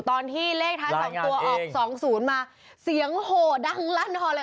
ตอนที่เลขท้าย๒ตัวออก๒๐มาเสียงโหดังลั่นฮอเลย